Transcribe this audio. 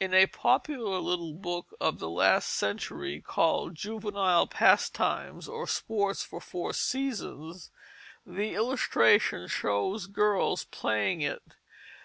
In a popular little book of the last century called Juvenile Pastimes, or Sports for Four Seasons, the illustration shows girls playing it.